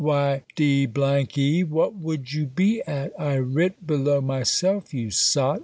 Why d e what would you be at? I writ below myself, you sot!